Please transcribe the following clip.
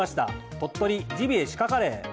鳥取ジビエ鹿カレー。